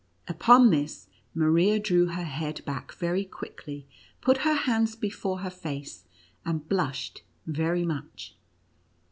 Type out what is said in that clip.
Upon this, Maria drew her head back very quickly, put her hands before her face, and blushed very much.